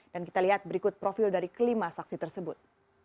dan kita lihat berikut profil dari kelima saksi tersebut